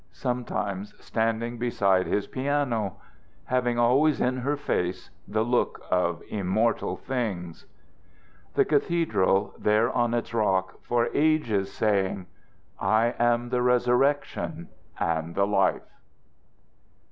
Sometimes standing beside his piano. Having always in her face the look of immortal things. The cathedral there on its rock for ages saying: "I am the Resurrection and the Life."